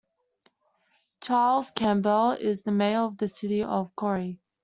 Charles Campbell is the mayor of the city of Corry.